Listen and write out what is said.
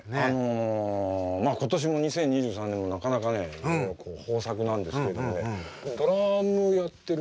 今年も２０２３年もなかなかね豊作なんですけれどもねドラムをやってる。